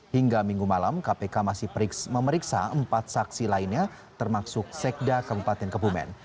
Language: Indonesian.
hingga minggu malam kpk masih memeriksa empat saksi lainnya termasuk sekda kabupaten kebumen